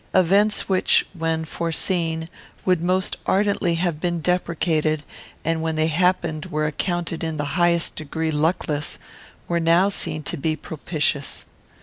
Events which, when foreseen, would most ardently have been deprecated, and when they happened were accounted in the highest degree luckless, were now seen to be propitious.